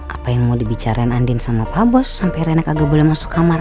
apa yang mau dibicarain andien sama pak bos sampai rena kagak boleh masuk kamar